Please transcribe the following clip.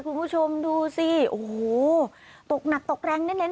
คุณผู้ชมดูสิโอ้โหตกหนักตกแรงแน่น